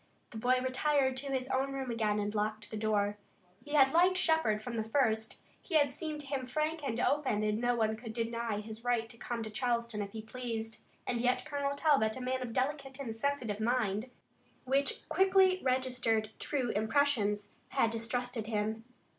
The boy retired to his own room again and locked the door. He had liked Shepard from the first. He had seemed to him frank and open and no one could deny his right to come to Charleston if he pleased. And yet Colonel Talbot, a man of a delicate and sensitive mind, which quickly registered true impressions, had distrusted him.